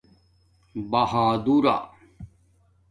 بہادورݳ